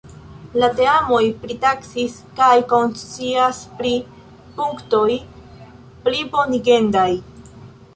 La teamoj pritaksis kaj konscias pri punktoj plibonigendaj.